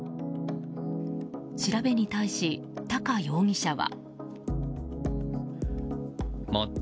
調べに対し、高容疑者は。